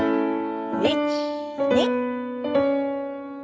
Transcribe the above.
１２。